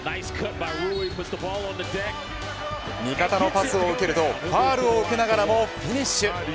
味方のパスを受け取るとファウルを受けながらもフィニッシュ。